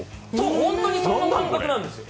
本当にそんな感覚なんですよ。